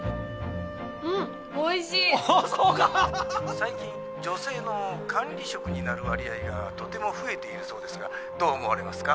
「最近女性の管理職になる割合がとても増えているそうですがどう思われますか？